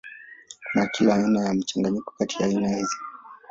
Kuna kila aina ya mchanganyiko kati ya aina hizi.